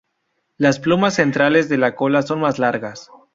Las plumas centrales de la cola son más largas.